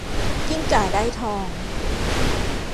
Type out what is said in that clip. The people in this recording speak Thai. กิ้งก่าได้ทอง